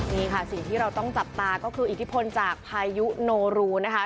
นี่ค่ะสิ่งที่เราต้องจับตาก็คืออิทธิพลจากพายุโนรูนะคะ